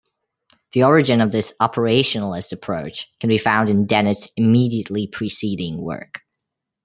The origin of this operationalist approach can be found in Dennett's immediately preceding work.